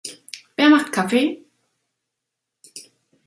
Wer macht Kaffee?